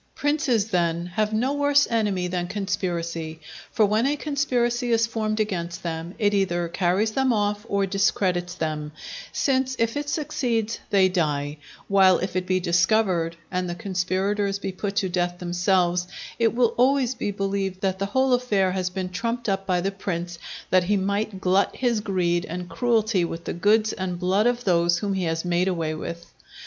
Princes, then, have no worse enemy than conspiracy, for when a conspiracy is formed against them, it either carries them off, or discredits them: since, if it succeeds, they die; while, if it be discovered, and the conspirators be put to death themselves, it will always be believed that the whole affair has been trumped up by the prince that he might glut his greed and cruelty with the goods and blood of those whom he has made away with.